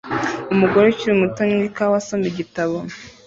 Umugore ukiri muto anywa ikawa asoma igitabo